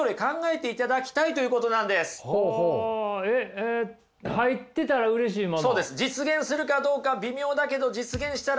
えっ入ってたらうれしいもの。